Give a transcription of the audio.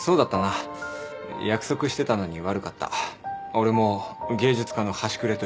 俺も芸術家の端くれとして。